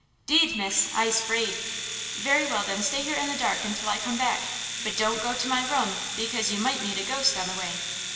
"Deed, miss, I'se 'fraid!" "Very well, then, stay here in the dark until I come back, but don't go to my room, because you might meet a ghost on the way!"